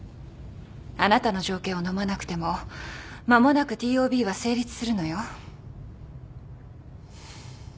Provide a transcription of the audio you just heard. あなたの条件をのまなくても間もなくＴＯＢは成立するのよ。